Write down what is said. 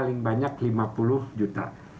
paling banyak lima puluh juta